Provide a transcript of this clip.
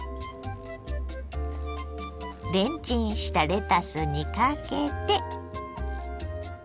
レンチンしたレタスにかけて。